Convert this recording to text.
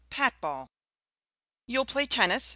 PAT BALL "You'll play tennis?"